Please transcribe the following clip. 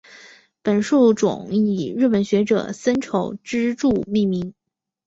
本树种以日本学者森丑之助命名。